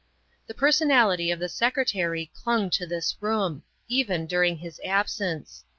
The personality of the Secretary clung to this room, even during his absence.